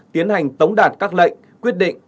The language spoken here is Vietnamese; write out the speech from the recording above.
tiến hành tống đạt các lệnh quyết định